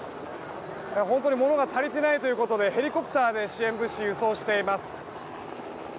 本当に物が足りていないということでヘリコプターで支援物資を輸送しています。